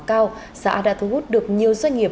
cao xã đã thu hút được nhiều doanh nghiệp